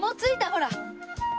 ほら。